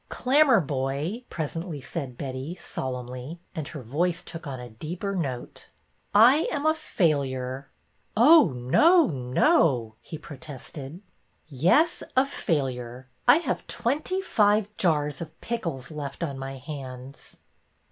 '' Clammerboy," presently said Betty, solemnly, and her voice took on a deeper note, '' I am a failure." '' Oh, no, no !" he protested. Yes, a failure. I have twenty five jars of pickles left on my hands."